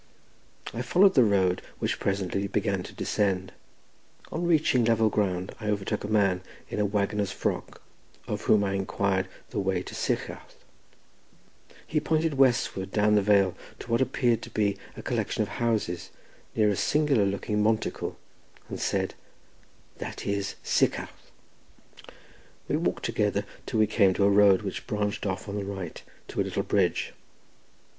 I followed the road, which presently began to descend. On reaching level ground I overtook a man in a waggoner's frock, of whom I inquired the way to Sycharth. He pointed westward down the vale to what appeared to be a collection of houses, near a singular looking monticle, and said, "That is Sycharth." We walked together till we came to a road which branched off on the right to a little bridge.